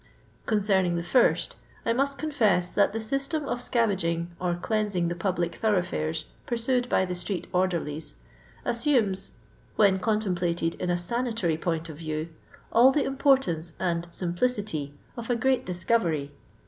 Concerning the first, I must confess that the system of scavaging or cleansing the public thoroughfores pursued by the streetK>rderlies assumes, when contemplated in a sanitary point of view, all the importance and simplicity of a great discovery.